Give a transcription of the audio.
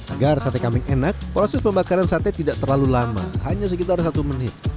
agar sate kambing enak proses pembakaran sate tidak terlalu lama hanya sekitar satu menit